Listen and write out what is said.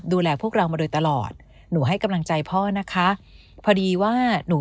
ดูแลพวกเรามาโดยตลอดหนูให้กำลังใจพ่อนะคะพอดีว่าหนู